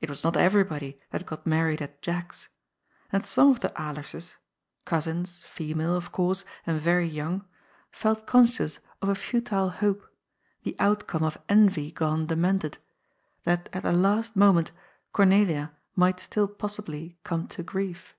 It was not everybody that got married at '^ Jack's." And some of the Alerses — cousins, female, of course, and very ' young — ^felt conscious of a futile hope—the outcome of envy gone demented — ^that at the last moment Cornelia might still possibly come to grief.